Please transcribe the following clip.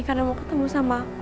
karena mau ketemu sama aku